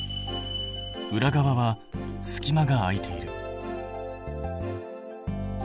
裏側は隙間が空いている。